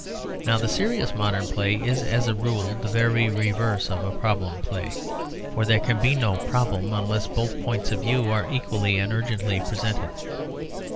Now the serious modern play is, as a rule, the very reverse of a problem play; for there can be no problem unless both points of view are equally and urgently presented.